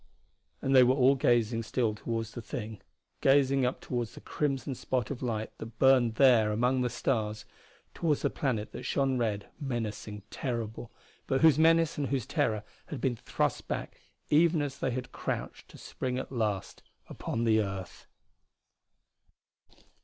And they were all gazing still toward the thing. Gazing up toward the crimson spot of light that burned there among the stars, toward the planet that shone red, menacing, terrible, but whose menace and whose terror had been thrust back even as they had crouched to spring at last upon the earth.